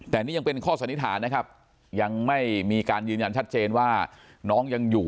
แต่นี่ยังเป็นข้อสันนิษฐานนะครับยังไม่มีการยืนยันชัดเจนว่าน้องยังอยู่